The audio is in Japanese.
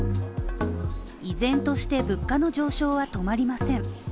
依然として、物価の上昇は止まりません。